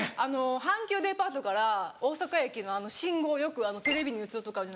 阪急デパートから大阪駅の信号よくテレビに映るところ。